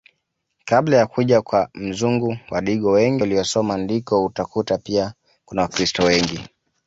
Kabla ya kuja kwa mzungu Wadigo wengi waliosoma ndiko utakuta pia kuna wakiristo wengi